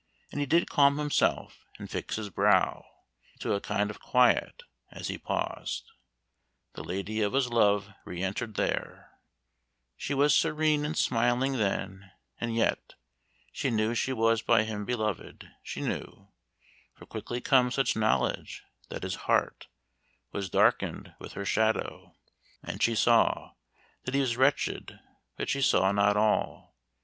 And he did calm himself, and fix his brow Into a kind of quiet; as he paused, The lady of his love re entered there; She was serene and smiling then, and yet She knew she was by him beloved, she knew, For quickly comes such knowledge, that his heart Was darkened with her shadow, and she saw That he was wretched, but she saw not all.